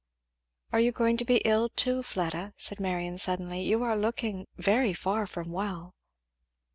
"Are you going to be ill too, Fleda?" said Marion suddenly. "You are looking very far from well!"